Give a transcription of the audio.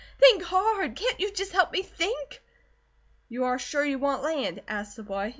Think HARD! Can't you just help me THINK?" "You are sure you want land?" asked the boy.